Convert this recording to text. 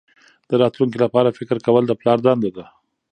د راتلونکي لپاره فکر کول د پلار دنده ده.